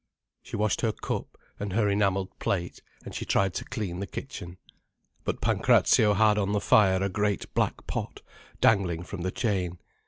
She washed her cup and her enamelled plate, and she tried to clean the kitchen. But Pancrazio had on the fire a great black pot, dangling from the chain.